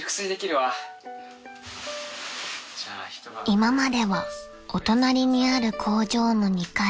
［今まではお隣にある工場の２階が寝室でした］